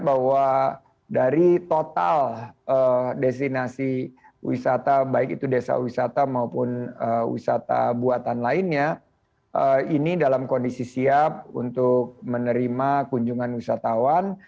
bahwa dari total destinasi wisata baik itu desa wisata maupun wisata buatan lainnya ini dalam kondisi siap untuk menerima kunjungan wisatawan